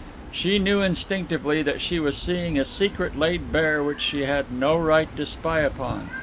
She knew instinctively that she was seeing a secret laid bare which she had no right to spy upon.